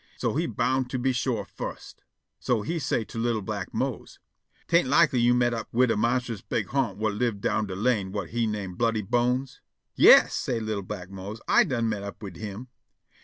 So he boun' to be sure fust. So he say' to li'l' black Mose: "'T ain't likely you met up wid a monstrous big ha'nt whut live' down de lane whut he name Bloody Bones?" "Yas," say' li'l' black Mose; "I done met up wid him."